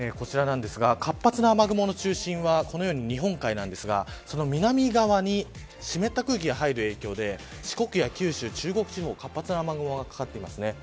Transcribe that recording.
活発な雨雲の中心はこのように日本海なんですが南側に湿った空気が入る影響で四国や九州、中国地方活発な雨雲がかかっていますね。